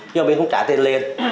nhưng mà mình không trả tiền liền